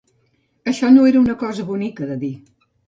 Això no era una cosa bonica de dir